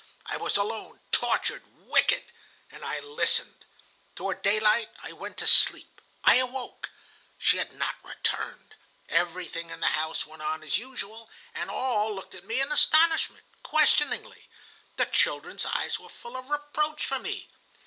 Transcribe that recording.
I was alone, tortured, wicked, and I listened. Toward daylight I went to sleep. I awoke. She had not returned. Everything in the house went on as usual, and all looked at me in astonishment, questioningly. The children's eyes were full of reproach for me.